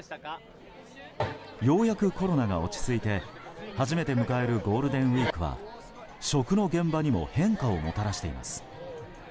ようやくコロナが落ち着いて初めて迎えるゴールデンウィークは食の現場にも変化をもたらしています。